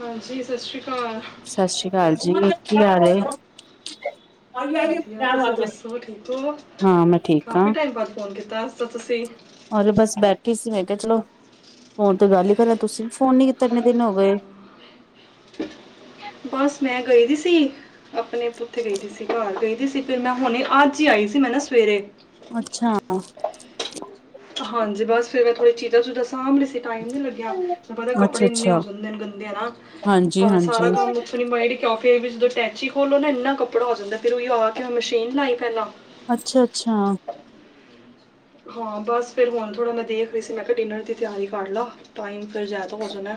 ਹਾਂਜੀ, ਸਤਿ ਸ੍ਰੀ ਕਾਲ। ਸਤਿ ਸ੍ਰੀ ਕਾਲ ਜੀ ਕੀ ਹਾਲ ਏ? ਵਧੀਆ, ਤੁਸੀਂ ਦੱਸੋ ਠੀਕ ਹੋ? ਮੈਂ ਠੀਕ ਕਾਫੀ ਟਾਈਮ ਬਾਦ ਫੋਨ ਕੀਤਾ ਅਜ ਤਾਂ ਤੁਸੀਂ। ਅਰੇ ਬਸ ਬੈਠੀ ਸੀ ਮੈਂ ਕਿਆ ਚਲੋ, ਫੋਨ ਤੇ ਗੱਲ ਹੀ ਕਰਲਾ ਤੁਸੀਂ ਵੀ ਫੋਨ ਨੀ ਕੀਤਾ ਇੰਨੇ ਦਿਨ ਹੋ ਗਏ। ਬਸ ਮੈਂ ਗਈ ਦੀ ਸੀ ਅਪਣੇ ਆਪ ਕਿੱਥੇ ਗਈਦੀ ਸੀ ਘੱਰ ਗਈਦੀ ਸੀ, ਫਿਰ ਮੈਂ ਹੁਣੇ ਅੱਜ ਈ ਆਈ ਸੀ, ਮੈਂ ਨਾ ਸਵੇਰੇ। ਅੱਛਾ। ਹਾਂਜੀ, ਬਸ ਫਿਰ ਮੈਂ ਥੋੜੀ ਚੀਜ਼ਾਂ-ਚੁਜਾਂ ਸਾਂਭ ਰਹੀ ਸੀ। ਟਾਈਮ ਨੀ ਲੱਗਿਆ, ਮੈਨੂੰ ਪਤਾ ਅੱਛਾ ਕੱਪੜੇ ਇੰਨੇ ਹੋ ਅੱਛਾ ਜਾਂਦੇਨ ਗੰਦੇ ਹਨਾ, ਹਾਂਜੀ ਭਾਵੇਂ ਸਾਰਾ ਹਾਂਜੀ ਕੰਮ ਰੀਮਾਈਰੀ ਕਾਫੀ ਐ ਵੀ ਜਦੋਂ ਟੈਚੀ ਖੋਲੋ ਨਾ ਇੰਨਾ ਕੱਪੜਾ ਹੋ ਜਾਂਦੈ, ਫੇਰ ਓਹੀਓ ਆਕੇ ਮਸ਼ੀਨ ਲਾਈ ਪੈਲਾਂ। ਅੱਛਾ-ਅੱਛਾ। ਹਾਂ, ਬਸ ਫੇਰ ਹੁਣ ਥੋੜ੍ਹਾ ਮੈਂ ਦੇਖ ਰਹੀ ਸੀ, ਮੈਂ ਕਿਆ ਡਿਨਰ ਦੀ ਤਿਆਰੀ ਕਰਲਾ। ਟਾਈਮ ਫਿਰ ਜਾਦ ਹੋ ਜਾਨੈ।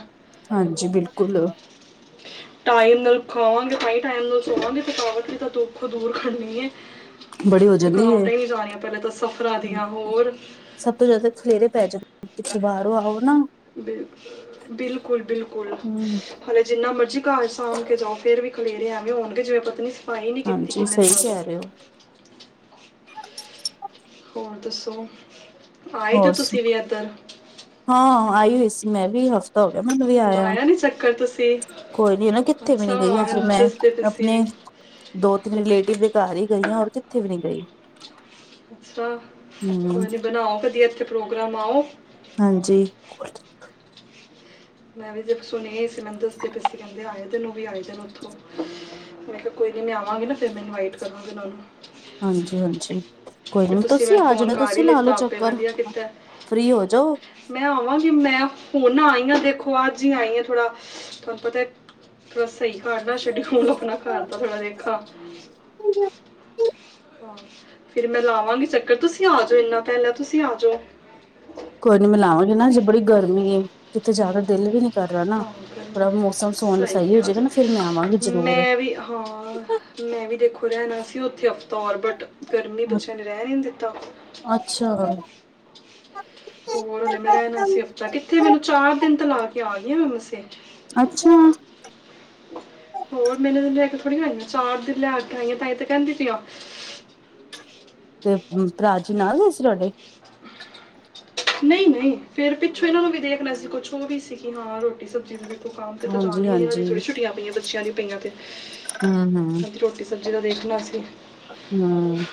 ਹਾਂਜੀ, ਬਿਲਕੁਲ। [inaudible] ਟਾਈਮ ਨਾਲ ਖਾਵਾਂਗੇ ਤਾਈ ਟਾਈਮ ਨਾਲ ਸੋਵਾਂਗੇ ਥਕਾਵਟ ਵੀ ਤਾਂ ਦੁੱਖੋ ਦੂਰ ਕਰਨੀ ਏ। ਬੜੀ ਹੋ ਜਾਂਦੀ ਹੈ ਥਕਾਵਟਾ ਹੀ ਨੀ ਜਾ ਰਹੀਆਂ ਪਹਿਲਾ ਤਾਂ ਸਫ਼ਰਾਂ ਦੀਆਂ ਹੋਰ। ਸਭ ਤੋਂ ਜਿਆਦਾ ਖਲੇਰੇ ਪੈ ਜਾਦੇ ਕਿਥੋ ਬਾਹਰੋਂ ਆਓ ਨਾ। ਬਿਲਕੁਲ-ਬਿਲਕੁਲ। ਹਮ ਹਲੇ ਜਿੰਨਾ ਮਰਜ਼ੀ ਘਰ ਸਾਂਭ ਕੇ ਜਾਓ ਫੇਰ ਵੀ ਖਲੇਰੇ ਐਵੇਂ ਹੋਣਗੇ ਜਿਵੇਂ ਪਤਾ ਨੀ ਸਫ਼ਾਈ ਨੀ ਕੀਤੀ ਹਾਂਜੀ ਕਿੰਨੇ ਸਹੀ ਦਿਨਾਂ ਤੋਂ। ਕਹਿ ਰਹੇ ਹੋ ਹੋਰ ਦੱਸੋ। ਆਏ ਤੇ ਹੋਰ ਤੁਸੀਂ ਵੀ ਸੁਨਾਓ, ਇੱਧਰ ਹਾਂ ਆਈ ਹੋਈ ਸੀ ਮੈਂ ਵੀ ਹਫ ਤਾ ਹੋ ਗਿਆ ਮੈਨੂੰ ਵੀ ਆਇਆ। ਲਾਇਆ ਨਹੀਂ ਚੱਕਰ ਤੁਸੀਂ ਕੋਈ ਨੀ ਨਾ ਕਿੱਥੇ ਵੀ ਨੀ ਗਈ ਅੱਛਾ ਹਜੇ ਮੈਨੂੰ ਮੈਂ, ਦੱਸਦੇ ਮੈਂ ਤੁਸੀਂ ਅਪਣੇ ਦੋ ਤਿੰਨ ਰਿਲੇਟਿਵ ਦੇ ਘਰ ਹੀ ਗਈ ਆਂ ਔਰ ਕਿੱਥੇ ਵੀ ਨੀ ਗਈ। ਅੱਛਾ, ਹੂੰ ਕੋਈ ਨੀ ਬਣਾਓ ਵਧੀਆ ਇੱਥੇ ਪ੍ਰੋਗਰਾਮ ਆਓ। ਹਾਂਜੀ। ਮੈਂ ਵੀ ਫੇਰ ਸੁਣਿਆ ਹੀ ਸੀ ਮੈਨ ਦੱਸਦੇ ਪਏ ਸੀ, ਕਹਿੰਦੇ ਆਏ ਦੇਨੇ ਔਵੀ ਆਏ ਦੇਨੇ ਔਥੋਂ। ਮੈਂ ਕਿਹਾ ਕੋਈ ਨੀ ਮੈਂ ਆਵਾਂਗੀ ਨਾ ਫੇਰ ਮੈਂ ਇਨਵਾਈਟ ਕਰਾਂਗੀ ਉਹਨਾ ਨੂੰ। ਹਾਂਜੀ-ਹਾਂਜੀ, ਕੋਈ ਤੇ ਨੀ ਤੁਸੀਂ ਮੈਨੂੰ ਆ ਫੋਨ ਜਾਂਣਾ ਕਰ ਤੁਸੀ ਹੀ ਲਾ ਲਿੱਤਾ ਲੋੋ ਆਪੇ ਚੱਕਰ। ਵਧੀਆ ਕੀਤਾ ਹੈ। ਫ੍ਰੀ ਹੋ ਜਾਓ। ਮੈਂ ਆਵਾਂਗੀ ਮੈਂ ਹੁਣ ਆਈ ਆਂ ਦੇਖੋ ਅੱਜ ਈ ਆਈ ਹਾਂ ਥੋੜਾ, ਤੁਹਾਨੂੰ ਪਤੈ ਥੋੜਾ ਸਹੀ ਕਾਰਲਾ ਸ਼ੈਡਿਯੂਲ ਅਪਣਾ ਘੱਰ ਦਾ ਥੋੜਾ ਵੇਖਾ। ਹਾਂ, ਫਿਰ ਮੈਂ ਲਾਵਾਂਗੀ ਚੱਕਰ ਤੁਸੀਂ ਆ ਜੋ ਇੰਨਾ ਪਹਿਲਾ ਤੁਸੀਂ ਆ ਜੋ। ਕੋਈ ਨੀ ਮੈਂ ਲਾਵਾਂਗੀ ਨਾ ਹਜੇ ਬੜੀ ਗਰਮੀ ਏ, ਕਿਤੇ ਜਾਣ ਦਾ ਦਿਲ ਵੀ ਨੀ ਕਰ ਰਿਹਾ ਨਾ, ਹਾਂ ਗਰਮੀ ਥੋੜਾ ਮੌਸਮ ਸੋਹਣ ਸਹੀ ਹੋ ਕਿਹਾ ਜਾਏਗਾ ਜੀ ਨਾ ਫੇਰ ਮੈਂ ਆਵਾਂਗੀ ਜਰੂਰ। ਮੈਂ ਵੀ ਹਾਂ ਮੈਂ ਵੀ ਦੇਖੋ ਰਹਿਣਾ ਸੀ ਉੱਥੇ ਹਫਤਾ ਔਰ ਬਟ, ਗਰਮੀ ਬੱਚਿਆਂ ਨੇ ਰਹਿਣ ਈ ਨੀ ਦਿੱਤਾ। ਅੱਛਾ। ਹੋਰ ਮੈਂ ਰਹਿਣਾ ਸੀ ਹਫਤਾ ਕਿੱਥੇ ਮੈਨੂੰ ਚਾਰ ਦਿਨ ਤੇ ਲਾ ਕੇ ਆ ਗਈ ਆ ਮੈਂ ਮਸੇ। ਅੱਛਾ। ਹੋਰ ਮੈ ਇਨੇ ਦਿਨ ਰਹਿ ਕੇ ਥੋੜੀ ਆਈ ਆਂ ਚਾਰ ਦਿਨ ਰਹਿ ਕੇ ਆਈ ਆਂ ਤਾਈ ਤੇ ਕਹਿੰਦੀ ਪਈ ਆਂ। ਤੇ ਭਰਾ ਜੀ ਨਾਲ ਗਏ ਸੀ ਤੁਹਾਡੇ? ਨਹੀਂ-ਨਹੀਂ ਫੇਰ ਪਿੱਛੋਂ ਇਨਾਂ ਨੂੰ ਵੀ ਦੇਖਨਾ ਸੀ ਕੁਛ ਉਹ ਵੀ ਸੀ ਕਿ ਹਾਂ ਰੋਟ ਰੋਟੀ ਸਬਜ਼ੀ ਦਾ ਦੇਖੋ ਕੰਮ ਤੇ ਤਾਂ ਜਾਣਾ ਹਾਂਜੀ ਈ ਇਹਨਾਂ ਦੀ ਹਾਂਜੀ ਥੋੜੀ ਛੁੱਟੀਆਂ ਪਈਆਂ ਬੱਚਿਆਂ ਦੀ ਪਈਆਂ ਤੇ। ਹੂੰ ਹੂੰ। ਕਹਿੰਦੀ ਰੋਟੀ ਸਬਜ਼ੀ ਦਾ ਦੇਖਣਾ ਅਸੀਂ। ਹੂੰ।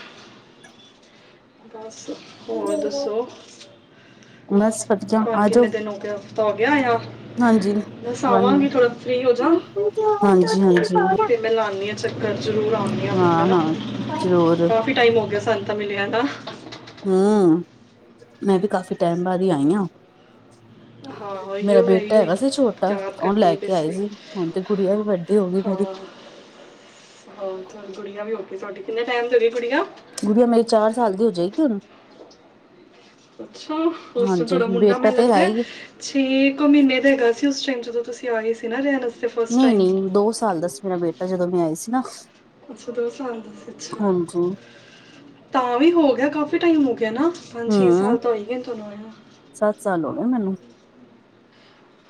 ਬਸ ਹੋਰ ਦੱਸੋ, ਬਸ ਵਧੀਆ ਤੁਹਾਨੂੰ ਆਜੋ ਕਿੰਨੇ ਦਿਨ ਹੋ ਗਿਆ? ਹੋ ਗਿਆ ਯਾਂ ਹਾਂਜੀ ਬੱਸ ਆਵਾਂਗੇ ਥੋੜਾ ਫ੍ਰਰੀ ਹੋ ਜਾ। ਹਾਂਜੀ-ਹਾਂਜੀ ਅਤੇ ਮੈਂ ਲਾਨੀ ਆਂ ਚੱਕਰ ਜ਼ਰੂਰ ਆ ਹਾਂ-ਹਾਂ ਜ਼ਰੂਰ। ਕਾਫੀ ਟਾਈਮ ਹੋ ਗਿਆ ਸਾਨੂੰ ਤਾਂ ਮਿਲਿਆ ਦਾ। ਹੂੰ, ਮੈਂ ਵੀ ਕਾਫ਼ੀ ਟਾਈਮ ਬਾਅਦ ਈ ਆਈ ਆਂ। ਮੇਰਾ ਬੇਟਾ ਹੈਗਾ ਸੀ ਛੋਟਾ, ਉਹਨੂੰ ਲੈ ਕੇ ਆਏ ਸੀ ਹੁਣ ਤੇ ਗੁੜੀਆਂ ਵੀ ਵੱਡੀ ਗੇਂ ਹੋ ਗਈ ਮੇਰੀ। ਹੋਰ ਤੇ ਹੁਣ ਗੁੜੀਆਂ ਵੀ ਹੋਕੀ ਤੁਹਾਡੀੇ, ਕਿੰਨੇ ਟੈਮ ਦੀ ਹੋਗੀ ਗੜੀਆਂ? ਗੁੜੀਆਂ ਮੇਰੀ ਚਾਰ ਸਾਲ ਦੀ ਹੋ ਜਾਏਗੀ ਹੁਣ। ਅੱਛਾ [unintelligible] ਹਾਂਜੀ ਤੁਹਾਡਾ ਮੁੰਡਾ ਬੇਟਾ ਮੈਨੂੰ ਤੇ ਹੈ ਲੱਗਦਾ ਹੀ ਛੇ ਕੁ ਮਹੀਨੇ ਦਾ ਹੈਗਾ ਸੀ ਉਸ ਟਾਈਮ ਜਦੋਂ ਤੁਸੀਂ ਆਏ ਸੀ ਨਾ ਰਹਿਣ। ਵਾਸਤੇ ਫਸਟ ਟਾਈਮ ਨਈ-ਨਈ ਦੋ ਸਾਲ ਦਾ ਸੀ ਮੇਰਾ ਬੇਟਾ ਜਦੋਂ ਮੈਂ ਆਈ ਸੀ ਨਾ। ਅੱਛਾ ਦੋ ਸਾਲ, ਅੱਛਾ। ਹਾਂਜੀ ਤਾਂ ਵੀ ਹੋ ਗਿਆ ਕਾਫੀ ਟਾਈਮ ਹੋ ਗਿਆ ਨਾ ਪੰਜ-ਛੇ ਹਮ ਸਾਲ ਤਾਂ ਹੋ ਈ ਗਿਆਂ ਤੁਹਾਨੂੰ ਆਏ ਨੂੰ। ਸੱਤ ਸਾਲ ਹੋਗੇ ਮੈਨੂੰ।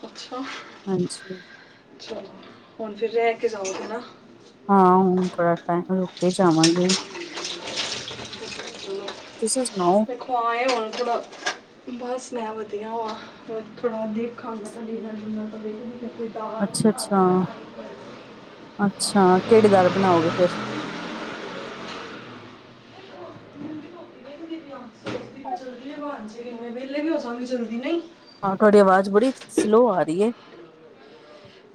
ਅੱਛਾ। ਹਾਂਜੀ। ਚਲ ਹੁਣ ਫਿਰ ਰੈ ਕੇ ਜਾਓਗੇ ਨਾ। ਹਾਂ ਹੁਣ ਥੋੜਾ ਟਾਈਮ ਰੁਕ ਕੇ ਜਾਵਾਂਗੇ। [inaudible] ਤੁਸੀਂ ਸੁਣਾਓ? ਹਾ ਇਹ ਹੋਣ ਥੋੜ੍ਹਾ। ਬਸ ਮੈਂ ਵਧੀਆ ਵਾਂ ਥੋੜ੍ਹਾ ਦੇਖਾਂ ਮੈਂ ਤਾਂ ਲੇਣਾ [unintelligible] ਅੱਛਾ-ਅੱਛਾ-ਅੱਛਾ ਕੇੜੀ ਦਾਲ ਬਣਾਓਗੇ ਫੇਰ? [inaudible] ਵੇਲੇ ਵੀ ਹੋ ਜਾਂਗੇ ਜਲਦੀ ਨਈ। ਹਾਂ ਤੁਹਾਡੀ ਆਵਾਜ਼ ਬੜੀ ਸਲੋਅ ਆ ਰੀ ਐ।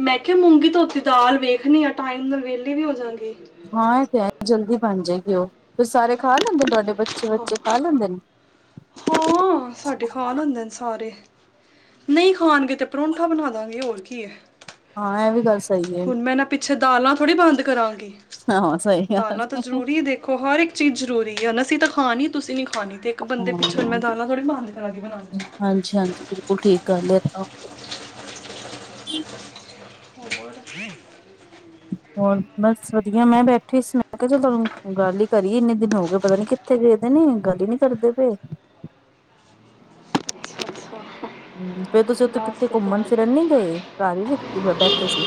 ਮੈਂ ਕਿਆ ਮੂੰਗੀ ਧੋਤੀ ਦਾਲ ਵੇਖਣੀ ਆ ਟਾਈਮ ਨਾਲ ਵਿਹਲੇ ਵੀ ਹੋਜਾਂਗੇ। ਹਾਂ ਏ ਤੇ ਹੈ ਜਲਦੀ ਬਣ ਜੇਗੀ ਓ ਫੇ ਸਾਰੇ ਖਾ ਲੈਂਦੇ ਨੇ ਤੁਹਾਡੇ ਬੱਚੇ ਹਾਂ ਵਚੇ ਖਾ ਲੈਂਦੇ ਨੇ? ਹਾਂ ਸਾਡੇ ਖਾ ਲਾਂਦੇ ਨੇ ਸਾਰੇ। ਨਹੀਂ ਖਾਣਗੇ ਤੇ ਪਰੌਂਠਾ ਬਣਾ ਦਾਂਗੇ ਹੋਰ ਕੀ ਐ। ਹਾਂ ਐ ਵੀ ਗੱਲ ਸ ਹੁਣ ਮੈਂ ਏਨਾ ਪਿੱਛੇ ਦਾਲਾਂ ਥੋੜ੍ਹੀ ਬੰਦ ਕਰਾਂਗੀ ਹਾਂ ਸਹੀ ਗੱਲ ਦਾਲਾਂ ਤਾਂ ਏ। ਜ਼ਰੂਰੀ ਦੇਖ ਦੇਖੋ ਹਰ ਇੱਕ ਚੀਜ਼ ਜ਼ਰੂਰੀ ਐ ਨ ਅਸੀਂ ਤਾਂ ਖਾਣੀ ਤੁਸੀਂ ਨੀ ਖਾਣੀ। ਤੇ ਇੱਕ ਬੰਦੇ ਪਿੱਛੇ ਹੁਣ ਮੈਂ ਹਾਂ ਦਾਲਾਂ ਥੋੜੀ ਬੰਦ ਕਰਾਂਗੀ ਬਣਾਨੀਆਂ। ਹਾਂਜੀ ਹਾਂਜੀ ਬਿਲਕੁੱਲ ਠੀਕ ਗੱਲ ਐ ਤਾਂ। [unintelligible] ਹੋਰ ਬਸ ਵਧੀਆ ਮੈਂ ਬੈਠੀ ਸੀ ਮੈਂ ਕਿਆ ਚਲ ਤੁਹਾਨੂੰ ਗੱਲ ਈ ਕਰੀਏ ਇੰਨੇ ਦਿਨ ਹੋਗੇ ਪਤਾ ਨੀ ਕਿ ਥੇ ਗਏਦੇ ਨੇ ਗੱਲ ਈ ਨੀ ਕਰਦੇ ਪਏ। ਅੱਛਾ ਅੱਛਾ ਹੂੰ ਫੇਰ ਤੁਸੀਂ ਉੱਥੇ ਕਿੱਥੇ ਬਸ ਘੁੰਮਣ ਹੁਣ ਫਿਰਨ ਨੀ ਗਏ ਘਰ ਈ ਬੈਠੇ ਸੀ?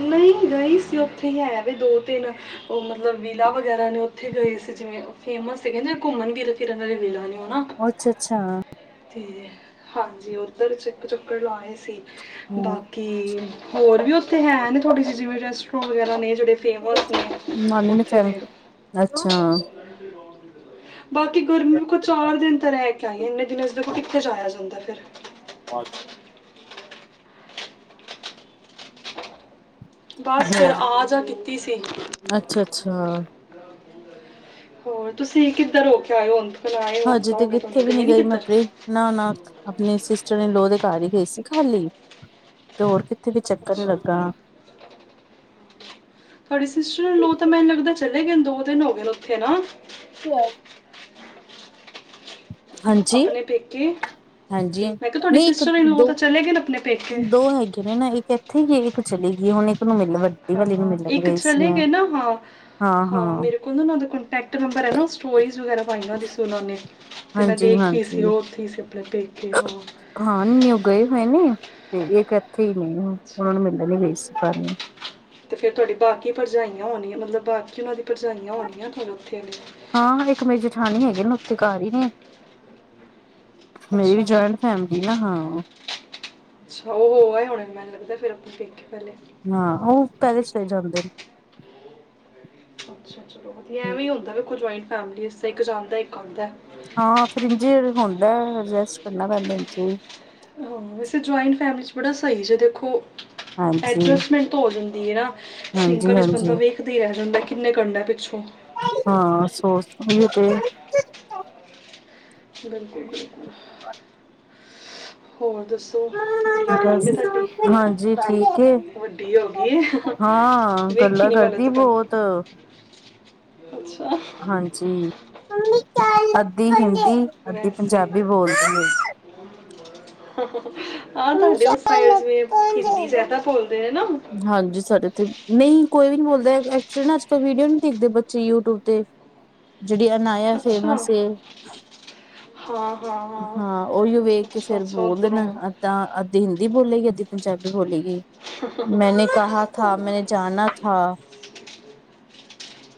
ਨਈ ਗਏ ਗਈ ਸੀ ਓਥੇ ਹੀ ਹੈ ਵੀ ਦੋ ਤਿੰਨ ਓ ਮਤਲਬ ਵਿਲਾ ਵਗੈਰਾ ਨੇ ਓਥੇ ਗਏ ਸੀ ਜਿਵੇਂ। ਫੇਮਸ ਸੀ ਕਹਿੰਦੇ ਘੁੰਮਣ ਫਿਰਨ ਵਾਲੇ ਵਿੱਲਾ ਨੇ ਅੱਛਾ ਅੱਛਾ ਤੇ ਹਾਂਜੀ ਉੱਧਰ ਚ ਚਕ ਚੁੱਕਰ ਲਾਏ ਸੀ ਹੂੰ, ਬਾਕੀ ਕਿ ਹੋਰ ਵੀ ਓਥੇ ਹੈਣ ਥੋੜ੍ਹੀ ਜੀ ਜਿਵੇਂ ਰੈਸਟੋ ਵਗੈਰਾ ਨੇ ਜੇੜ੍ਹੇ ਫੇਮਸ ਨੇ ਨਾਨੀ ਨੇ ਉੱਥੇ ਫੈਮ ਦੇ। ਅੱਛਾ ਬਾਕੀ ਗਰਮੀ ਕੋਈ ਚਾਰ ਦਿਨ ਤਾਂ ਰਹਿ ਕੇ ਆਈਏ ਇੰਨੇ ਦਿਨ ਦੇਖੋ ਕਿੱਥੇ ਜਾਇਆ ਜਾਂਦਾ ਫਿਰ ਬ [unintelligible] ਬਸ ਫੇਿਰ ਆ ਜਾ ਕੀਤੀ ਸੀ। ਅੱਛਾ ਅੱਛਾ ਹੋਰ ਤੁਸੀਂ ਕਿੱਧਰ ਹੋ ਕੇ ਆਏ ਹੁਣ ਔਨੂ ਆਏ ਨੂ ਹਜੇ ਹਫ਼ਤਾ ਹੋ ਤੇ ਗਿਆ ਕਿੱਥੇ ਤੁਹਨੂੰ ਵੀ ਗਏ ਨੀ ਗਈ ਮੈਂ ਕਿੱਧਰ? ਆਪਣੇ ਨਾ- ਨਾ ਆਪਣੇ ਸਿਸਟਰ ਇਨਲਾਹ ਦੇ ਘਰ ਹੀ ਗਏ ਸੀ ਖਾਲੀ ਤੇ ਹੋਰ ਕਿੱਥੇ ਵੀ ਚੱਕਰ ਨੀ ਅੱਛਾ ਲੱਗਾ। ਤੁਹਾਡੀ ਸਿਸਟਰ ਇਨਲਾਹ ਤਾਂ ਮੈਨੂੰ ਲੱਗਦਾ ਚਲੇ ਗਏ ਦੋ ਦਿਨ ਹੋ ਗਏ ਉੱਥੇ ਨਾ ਹੋ [unintelligible] ਹਾਂਜੀ ਆਪਣੇ ਪੇਕੇ ਹਾਂਜੀ ਮੈਂ ਕਿਹਾ ਤੁਹਾਡੀ ਨਈ ਇੱਕ ਸਿਸਟਰ ਇਨ ਲੋ ਤਾਂ ਚਲੇ ਗਏ ਨੇ ਆਪਣੇ ਪੇਕੇ ਦੋਦੋ ਹੈਗੇ ਨੇ ਨਾ ਇੱਕ ਯਹੀ ਕੁਛ ਲੈ ਲੀਆ ਆਨਲਾਈਨ ਹਾਂ ਇੱਕ ਚਲੇ ਗਏ ਨਾ ਹਾਂ। ਹਾਂ ਮੇਰੇ ਕੋਲ ਨਾ ਉਹ ਦਾ ਕੋਂਟੈਕਟ ਨੰਬਰ ਹੈ ਨਾ ਸਟੋਰੀਜ਼ ਵਗੈਰਾ ਪਾਈਆਂ ਸੀ ਉਹ ਨੇ ਤੇ ਮੈਂ ਹਾਂਜੀ ਦੇਖੀ ਸੀ ਹਾਂਜੀ ਉਹ ਉੱਥੇ ਸੀ ਪੇਕੇ ਤੇ ਹੋਰ ਹਾਂ ਨਿਊ ਗਏ ਹੋਏ ਨੇ ਤੇ ਇਕ ਇੱਥੇ ਹੀ ਨੇ ਅੱਛਾ ਉਹਨਾਂ ਨੂੰ ਮਿਲਣ ਹੀ ਗਈ ਸੀ ਕਲ ਤੇ ਫੇਰ ਤੁਹਾਡੀ ਬਾਕੀ ਭਰਜਾਈਆਂ ਹੋਣੀ ਮਤਲਬ ਬਾਕੀ ਉਹਨਾਂ ਦੀ ਭਰਜਾਈਆਂ ਹੋਣੀਆਂ ਤੁ ਉੱਥੇ ਹਾਂ ਇੱਕ ਮੇਰੀ ਜੇਠਾਣੀ ਹੈਗੇ ਨੇ ਉੱਥੇ ਘਾਰ ਹੀ ਨੇ। ਮੇਰੀ ਵੀ ਅੱਛਾ ਜੁਆਇੰਟ ਫੈਮਿਲੀ ਨਾ ਹਾਂ। ਅੱਛਾ ਉਹ ਹੋ ਆ ਹੁਣੇ ਮੈਨੂੰ ਲੱਗਦਾ ਫਿਰ ਆਪਾਂ ਦੇਖੇ ਪਹਿਲੇ ਹਾਂ ਉਹ ਪੈਦਲ ਚਲੇ ਜਾਂਦੇ ਨੇ ਅੱਛਾ ਚਲੋ ਵਧੀਆ ਨੇ ਐਵੇਂ ਹੁੰਦਾ ਵੀ ਕੋਈ ਜੁਆਇੰਟ ਫੈਮਿਲੀ ਇੱਕ ਜਾਂਦਾ ਇੱਕ ਆਉਦਾ। ਹਾਂ ਫਿਰ ਇੰਝੇ ਹੁੰਦਾ ਐਡਜਸਟ ਕਰਨਾ ਪੈਂਦਾ ਇੰਝੇ ਹਾਂ ਵੈਸੇ ਜਇੰਟ ਫੈਮਿਲੀ 'ਚ ਬੜਾ ਸਹੀ ਦੇਖੋ ਹਾਂਜੀ ਐਡਜਸਟਮੈਂਟ ਤਾਂ ਹੋ ਜਾਂਦੀ ਹੈ ਨਾ ਹਾਂਜੀ ਸਿੰਗਲ ਇਚ ਬੰਦਾ ਹਾਂਜੀ ਵੇਖਦਾ ਹੀ ਰਹਿ ਜਾਂਦਾ ਕਿੰਨੇ ਘੰਟੇ ਹੈ ਪਿੱਛੋਂ ਹਾਂ ਸੋ ਤ ਉਹੀ ਤੇ ਬਿਲਕੁਲ-ਬਿਲਕੁਲ ਹੋਰ ਦੱਸੋ। ਗੁੜੀਆ ਠੀਕ ਹੈ ਤੁਹਾਡੀ ਹਾਂਜੀ-ਠੀਕ ਏ। ਵੱਡੀ ਹੋ ਗਈ ਹੈ ਹਾਂ ਵੇਖੀ ਗੱਲਾਂ ਨਹੀਂ ਮੈਨੂੰ ਕਰਦੀ ਤੱਕ ਬਹੁਤ ਅੱਛਾ ਹਾਂਜੀ ਅੱਧੀ ਹਿੰਦੀ ਅੱਧੀ ਵੈਸੇ ਪੰਜਾਬੀ ਬੋਲਦੀ ਏ। [inaudible] ਹਾਂ ਤੁਹਾਡੇ ਉਸ ਸਾਈਡ ਜਿਵੇਂ ਹਿੰਦੀ ਜ਼ਿਆਦਾ ਬੋਲਦੇ ਨੇ ਨਾ। ਹਾਂਜੀ ਸਾਡੇ ਤੇ ਨਹੀਂ ਕੋਈ ਨੀ ਬੋਲਦਾ ਐਕਚੁਲੀ ਨਾ ਅੱਜ ਕੱਲ ਵੀਡੀਓ ਨੀ ਦੇਖਦੇ ਬੱਚੇ ਯੂਟਿਊਬ ਤੇ ਜਿਹੜੀ ਅਨਾਇਆ ਅੱਛਾ ਫੇਮਸੲ ਏ ਹਾਂ ਹਾਂ ਹਾਂ ਉਹੀਓ ਵੇਖ ਕੇ ਅੱਛਾ ਫੇਰ ਅੱਛਾ ਬੋਲਦੇ ਨੇ ਉਧਰੋਂ ਤਾਂ ਅੱਧੀ ਹਿੰਦੀ ਬੋਲੇਗੀ ਅੱਧੀ ਪੰਜਾਬੀ ਬੋਲੇਗੀ। ਮੈਂਨੇ ਕਹਾ ਥਾ ਮੈਨੇ ਜਾਨਾ ਥਾ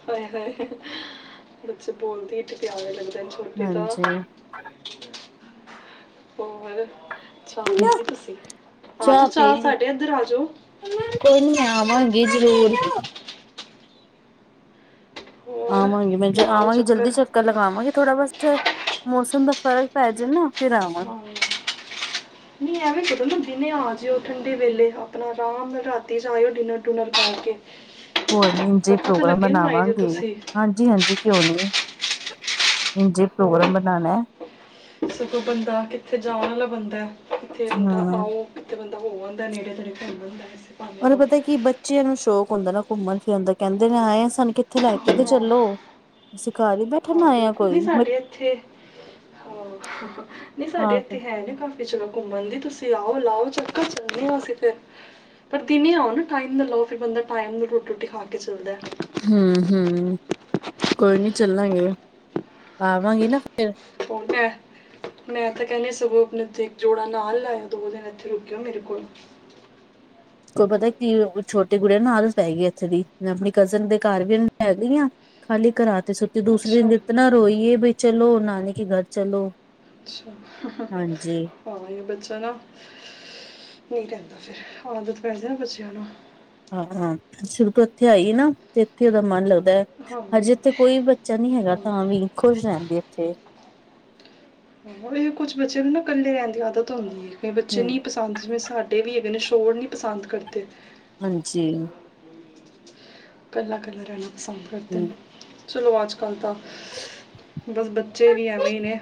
ਹੋਏ- ਹੋਏ [inaudible] ਬੱਚੇ ਬੋਲਦੇ ਪਿਆਰੇ ਲੱਗਦੇ ਨੇ ਛੋਟੇ ਤਾਂ ਹਾਂਜੀ [inaudible] ਹੋਰ ਚਾਹ ਪੀ ਲੀ ਤੁਸੀਂ ਆ ਜਾਓ ਪੀ ਚਾਹ ਲਈ ਸਾਡੇ ਇਧਰ ਆ ਜਾਓ। ਕੋਈ ਨੀ ਆਵਾਂਗੀ ਜਰੂਰ ਹੋਰ ਆਵਾਂਗੀ ਮੈ ਲਾਓ ਆਵਾਂਗੀ ਜਲਦੀ ਚੱਕਰ ਚਲ ਲਗਾਵਾਂਗੇ ਥੋੜਾ ਬਹੁਤ ਮੌਸਮ ਦਾ ਫ਼ਰਕ ਪੈ ਜਾਵੇ ਨਾ। ਫਿਰ ਆਵਾਂਗੇ [unintelligible] [inaudible] ਨਹੀਂ ਆਵੇਂ ਕਰਿਯੋ ਨਾ ਦਿਨੇ ਆ ਜਾਇਓ ਠੰਡੇ ਵੇਲੇ ਆਪਣਾ ਆਰਾਮ ਨਾਲ ਰਾਤੀ ਜਾਇਓ ਡਿਨਰ ਡੁਨਰ ਕਰ ਕੇ [inaudible] ਕੋਈ ਨਹੀਂ ਇੰਝੇ ਪ੍ਰੋਗਰਾਮ ਆਏ ਜੇ ਬਣਾਵਾਂਗੇ ਤੁਸੀਂ ਹਾਂ ਜੀ -ਹਾਂ ਜੀ ਕਿਉਂ ਨਹੀਂ ਇੰਜੇ ਹੋਰ ਪ੍ਰੋਗਰਾਮ ਬਣਾਣਾ। ਸਗੋਂ ਬੰਦਾ ਕਿੱਥੇ ਜਾਣ ਆਲਾ ਬੰਦਾ ਕਿੱਥੇ ਹੂੰ ਆਣਾ। ਕਿਥੇ ਬੰਦਾ ਹੋ ਵੰਨ ਨੇੜੇ ਤੇੜੇ ਘੁੰਮ ਆਂਦਾ। ਉਹਨੂੰ ਪਤਾ ਹੈ ਕਿ ਬੱਚਿਆਂ ਨੂੰ ਘੁੰਮਣ-ਫਿਰਣ ਦਾ ਸ਼ੌਕ ਹੁੰਦਾ ਹੈ ਕਹਿੰਦੇ ਨੇ ਆਏ ਸਾਨੂੰ ਕਿ ਕਿਤੇ ਲੈ ਕੇ ਚੱਲੋ, ਅਸੀਂ ਘਰ ਬੈਠਣ ਆਏ ਆ ਦੀਦੀ ਕੋਈ ਮੈਂ ਸਾਡੇ ਇੱਥੇ, ਹਾਂ ਸਾਡੇ ਇੱਥੇ ਹੈ ਨੇ ਕੰਮ ਕਿਤੇ ਵੇਲੇ, ਘੁੰਮਣ ਚੱਲਦੇ ਹਾਂ। ਤੁਸੀਂ ਆਓ, ਇੱਕ ਚੱਕਰ ਲਾ ਆਈਏ, ਫਿਰ ਅਸੀਂ ਚੱਲਦੇ ਹਾਂ। ਪਰ ਦਿਨ ਹੀ ਆਓ ਨਾ ਟਾਈਮ ਨਾਲ ਆਓ ਫਿਰ ਬੰਦਾ ਟਾਈਮ ਨਾਲ ਰੋਟੀ ਖਾ ਕੇ ਚੱਲਦਾ ਹੈ। ਹੂੰ-ਹੂੰ ਕੋਈ ਨੀ ਚੱਲਾਂਗੇ ਆਵਾਂਗੇ ਨਾ ਫੇਰ ਉਕੇ ਮੈਂ ਤਾਂ ਕਹਿੰਦੀ ਸਗੋਂ ਆਪਣੇ ਇੱਕ ੳਥੇ ਜੋੜਾ ਨਾਲ ਲਾਇਓ ਦੋ ਦਿਨ ਇੱਥੇ ਰੁਕਿਓ ਮੇਰੇ ਕੋਲ ਕੋਈ ਪਤਾ ਕੀ ਛੋਟੇ ਗੁੜਿਆ ਨੂੰ ਆਦਤ ਪੈ ਗਈ ਇੱਥੇ ਦੀ ਮੈਂ ਆਪਣੀ ਕਜ਼ਨ ਦੇ ਘਰ ਵੀ ਲੈ ਗਈ ਆਂ। ਖਾਲੀ ਕਰਾਤੀ ਸੁੱਤੀ ਦੂਸਰੇ ਅੱਛਾ ਦਿਨ ਇਤਨਾ ਰੋਈ ਏ ਬਈ ਚਲੋ ਨਾਨੀ ਕੀ ਘਰ ਚਲੋ। ਅੱਛਾ ਹਾਂਜੀ [inaudible] ਹਾਂ ਬੱਚਾ ਨਹੀਂ ਰਹਿੰਦਾ [inaudible] ਆਦਤ ਪੈ ਬੱਚਿਆਂ ਨੂੰ ਹਾਂ-ਹਾਂ ਸ਼ੁਰੂ ਤੋਂ ਹੀ ਇੱਥੇ ਆਈ ਹੈ ਨਾ ਇਥੇ ਇਹਦਾ ਮਨ ਲੱਗਦਾ। ਹਾਂ ਅਜੇ, ਇੱਥੇ ਕੋਈ ਬੱਚਾ ਨਹੀਂ ਹੇਗਾ, ਹਾਂ, ਤਾਂ ਵੀ ਖੁਸ਼ ਰਹਿਣ ਗੇ, ਇੱਥੇ ਕੁਝ ਬੱਚਿਆਂ ਨੂੰ ਇਕੱਲੇ ਰਹਿਣ ਦੀ ਆਦਤ ਹੁੰਦੀ ਐ, ਕੁਝ ਬੱਚਿਆਂ ਹੂੰ ਨੂੰ ਨਹੀਂ ਪਸੰ ਹਾਂਜੀ ਜਿਵੇਂ ਸਾਡੇ ਵੀ ਇਨਾਂ ਸ਼ੋਰ ਨਈ ਪਸੰਦ ਕਰਦੇ ਹਾਂਜੀ ਕੱਲਾ -ਕੱਲਾ ਰਹਿਣਾ ਪਸੰਦ ਕਰਦਾ ਹੂੰ ਚਲੋ, ਅੱਜਕੱਲ੍ਹ ਤਾਂ ਬਸ ਬੱਚੇ ਵੀ ਐਵੇਂ ਹੀ ਨੇ।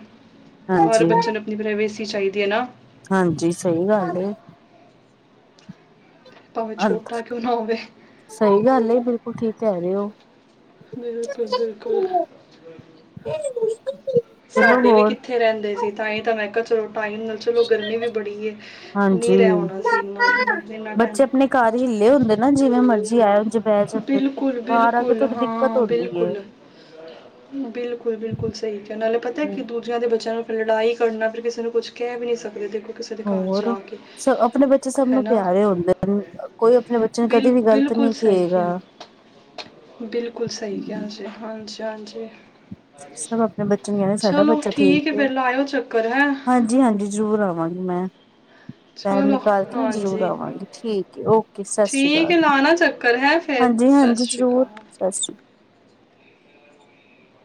ਹਰ ਹਾਂਜੀ ਬੱਚਾ ਨ ਕਿਧਰੇ, ਵਿਛ ਈ ਚਾਹੀਦੀ ਏ ਨਾ ਹਾਂਜੀ, ਸਹੀ ਗੱਲ ਭਾਵੇਂ ਛੋਟਾ, ਕਿਉਂ ਨਾ ਹੋਵੇ ਸਹੀ ਗੱਲ ਏ, ਬਿਲਕੁਲ ਠੀਕ ਕੇ ਤੇ ਹੈਗੇ ਬਿਲਕੁਲ-ਬਿਲਕੁਲ, ਚਲੋ ਸਾਡੇ ਵੀ ਹੋਰ ਕਿਥੇ ਇਥੇ ਰਹਿੰਦੇ ਸੀ, ਤਾਂ ਹੀ ਤਾਂ ਮੈ ਕਿਹਾ ਚਲੋ ਟਾਈਮ ਨਾਲ ਚਲੋ ਗਰਮੀ ਵੀ ਬੜੀ ਏ, ਹਾਂਜੀ ਨਈ ਰਿਹਾ ਹੋਣਾ ਸੀ ਇਨਾ-ਇਨਾ ਟਾਈਮ ਬੱਚੇ ਆਪਣੇ ਘਰ ਨਈ ਨਾ ਹੁੰਦੇ, ਜਿਵੇਂ ਮਰਜ਼ੀ ਆਇਆ ਜੇ ਬਹਿ ਜਾਂਦੇ, ਬਿਲਕੁਲ ਬਾਹਰ ਆ ਕੇ ਬਿਲਕੁਲ ਥੋੜੀ ਦਿੱਕਤ, ਹੁੰਦੀ ਏ ਬਿਲਕੁਲ-ਬਿਲਕੁਲ ਸਹੀ ਕਿਹਾ, ਨਾਲੇ ਪਤਾ ਹੈ ਕਿ ਧੂੱਦ ਦੂਜਿਆ ਦੇ ਬੱਚਿਆਂ ਨੂੰ, ਫਿਰ ਲੜਾਈ ਕਰਨਾ, ਫਿਰ ਕਿਸੇ ਨੂੰ ਕੁਛ ਕਹਿ ਵੀ ਨਈ ਸਕਦੇ, ਬਿਲਕੁਲ ਹੋਰ, ਸ ਆਪਣੇ ਬੱਚੇ ਸਭ ਹੈ ਨੂੰ ਨਾ ਪਿਆਰੇ ਹੁੰਦੇ ਨੇ ਕੋਈ ਆਪਣੇ ਬਚ ਜਾ ਬਿਲ ਕਦੇ ਵੀ ਗਲਤ ਬਿਲਕੁਲ ਨਈ ਸਹੀ ਕਹੇਗਾ। ਬਿਲਕੁਲ ਸਹੀ ਕਿਹਾ, ਹਾਂ ਹਾਂਜੀ-ਹਾਂਜੀ ਸਭ ਆਪਣੇ ਬੱਚਿਆਂ ਦੀ, ਸਾਡਾ ਚਲੋ ਬੱਚਾ ਠੀਕ ਹੈ, ਫਿਰ ਲਾਇਓ ਚੱਕਰ ਹੈ ਹਾਂਜੀ ਜੀ, ਹਾਂਜੀ ਜ਼ਰੂਰ ਆਵਾਂਗੀ ਮੈਂ ਟਾਈਮ, ਚਲੋ ਨਿਕਾਲ ਕੇ ਮੈਂ ਜ਼ਰੂਰ ਹਾਂਜੀ ਆਵਾਂਗੀ, ਠੀਕ ਹੈ। ਓਕੇ ਸਤਿ ਸ੍ਰੀ ਠੀਕ ਅਕਾਲ। ਹੈ ਲਾਣਾ ਚੱਕਰ ਹੈ ਫਿਰ ਸਤਿ ਹਾਂਜੀ-ਹਾਂਜੀ ਸ਼੍ਰੀ ਜ਼ਰੂਰ, ਅਕਾਲ ਸਤਿ ਸ਼੍ਰੀ ਅਕਾਲ।